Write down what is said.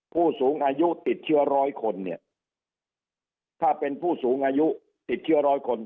ผู้สูงอายุติดเชื้อร้อยคนเนี่ยถ้าเป็นผู้สูงอายุติดเชื้อร้อยคน